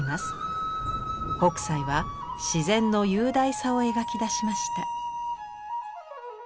北斎は自然の雄大さを描き出しました。